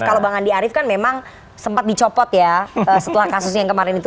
kalau bang andi arief kan memang sempat dicopot ya setelah kasusnya yang kemarin itu